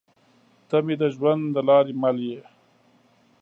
تۀ مې د ژوند د لارې مل يې